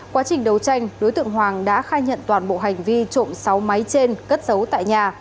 quá trình đấu tranh đối tượng hoàng đã khai nhận toàn bộ hành vi trộm sáu máy trên cất giấu tại nhà